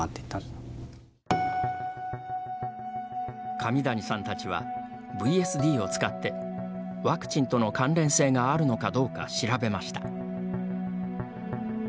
紙谷さんたちはＶＳＤを使ってワクチンとの関連性があるのかどうか調べました。